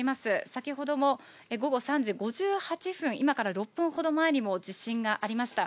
先ほども午後３時５８分、今から６分ほど前にも、地震がありました。